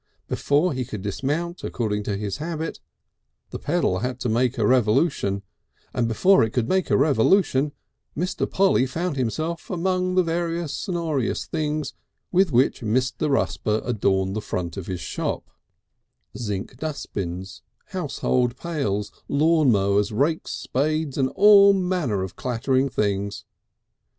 Before he could dismount according to his habit the pedal had to make a revolution, and before it could make a revolution Mr. Polly found himself among the various sonorous things with which Mr. Rusper adorned the front of his shop, zinc dustbins, household pails, lawn mowers, rakes, spades and all manner of clattering things.